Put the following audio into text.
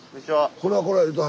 「これはこれは」